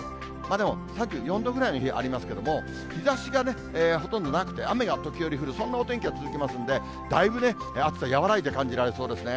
でも、３４度ぐらいの日はありますけども、日ざしがほとんどなくて、雨が時折降る、そんなお天気が続きますんで、だいぶ暑さ和らいで感じられそうですね。